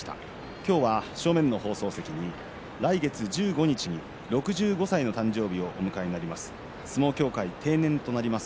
今日は正面の放送席に来月１５日に６５歳の誕生日をお迎えになります